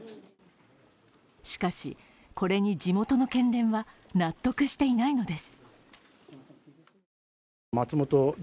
しかし、これに地元の県連は納得していないのです。